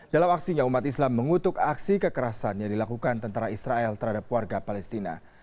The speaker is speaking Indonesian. dalam aksinya umat islam mengutuk aksi kekerasan yang dilakukan tentara israel terhadap warga palestina